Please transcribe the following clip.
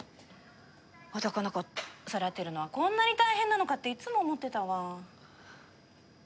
男の子育てるのはこんなに大変なのかっていつも思ってたわ。